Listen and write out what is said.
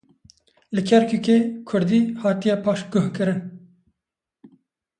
Li Kerkûkê kurdî hatiye paşguhkirin.